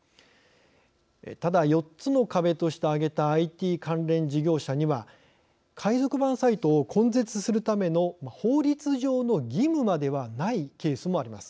ただ４つの壁として挙げたＩＴ関連事業者には海賊版サイトを根絶するための法律上の義務まではないケースもあります。